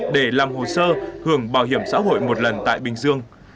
để làm hồ sơ hưởng bảo hiểm xã hội một lần tại bình dương